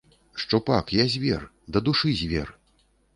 Шчупак, я звер, дадушы звер.